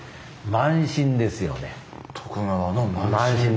慢心ですね。